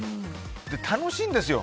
で、楽しいんですよ。